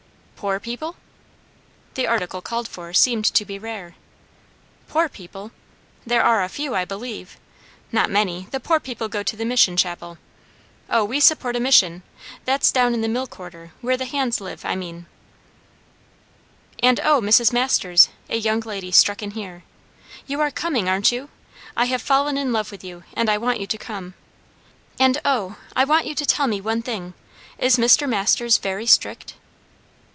"Poor people?" The article called for seemed to be rare. "Poor people? There are a few, I believe. Not many; the poor people go to the mission chapel. O, we support a mission; that's down in the mill quarter, where the hands live, I mean" "And O, Mrs. Masters," a young lady struck in here, "you are coming, aren't you? I have fallen in love with you, and I want you to come. And O, I want you to tell me one thing is Mr. Masters very strict?"